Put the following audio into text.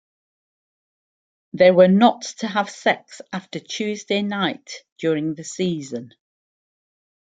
They were not to have sex after Tuesday night during the season.